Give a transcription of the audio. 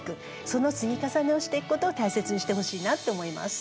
その積み重ねをしていくことを大切にしてほしいなって思います。